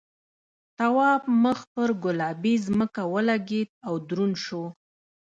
تواب مخ پر گلابي ځمکه ولگېد او دروند شو.